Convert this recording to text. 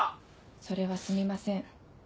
それはすみません。